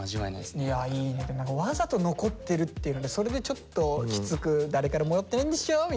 いやいい。わざと残ってるっていうのでそれでちょっときつく「誰からももらってないんでしょ！」